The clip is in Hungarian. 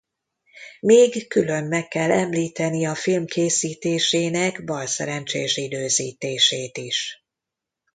Még külön meg kell említeni a film készítésének balszerencsés időzítését is.